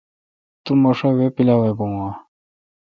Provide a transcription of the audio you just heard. تو مہ شا وے°پیلاویباہ؟